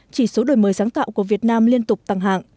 chỉ số đổi mới sáng tạo của việt nam liên tục tăng hạng